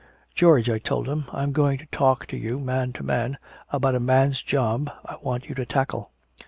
'George,' I told him, 'I'm going to talk to you, man to man, about a man's job I want you to tackle.'"